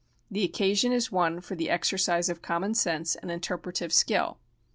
The occasion is one for the exercise of common sense and interpretative skill.